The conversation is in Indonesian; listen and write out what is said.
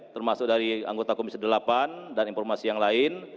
termasuk dari anggota komisi delapan dan informasi yang lain